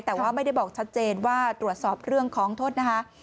แต่ว่าไม่ได้บอกชัดเจนว่าตรวจสอบเรื่องของโทษนะคะ